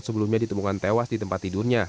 sebelumnya ditemukan tewas di tempat tidurnya